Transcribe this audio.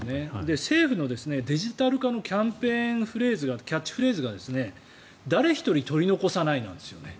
政府のデジタル化のキャンペーンのキャッチフレーズが誰一人取り残さないなんですよね。